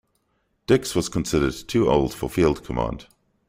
Dix was considered too old for field command.